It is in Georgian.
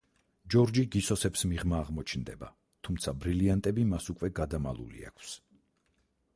ჯორჯი გისოსებს მიღმა აღმოჩნდება, თუმცა ბრილიანტები მას უკვე გადამალული აქვს.